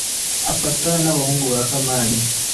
afata n abahungu ba Kamali.